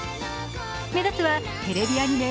目指すはテレビアニメ